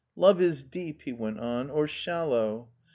" Love is deep," he went on, " or shallow.